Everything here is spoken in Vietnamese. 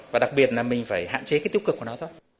và đặc biệt là mình phải hạn chế cái tiêu cực của nó thôi